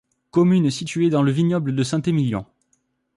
Commune située dans le vignoble de Saint-Émilion.